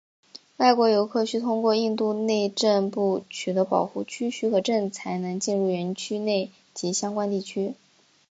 外国游客需通过印度内政部取得保护区许可证才能进入园区内及相关地区。